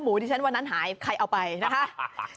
ที่ฉันวันนั้นหายใครเอาไปนะคะ